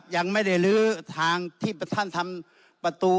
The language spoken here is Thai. ยังไม่ได้ลื้อทางที่ท่านทำประตู